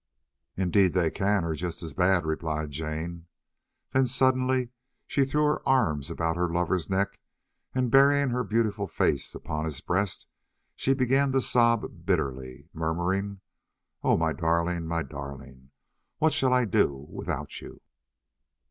"Indeed they can, or just as bad," replied Jane. Then suddenly she threw her arms about her lover's neck and burying her beautiful face upon his breast, she began to sob bitterly, murmuring, "Oh my darling, my darling, what shall I do without you?"